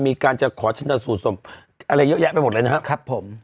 มีการจะขอชนสูตรศพอะไรเยอะแยะไปหมดเลยนะครับผม